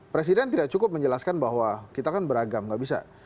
presiden tidak cukup menjelaskan bahwa kita kan beragam nggak bisa